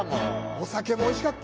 お酒もおいしかった。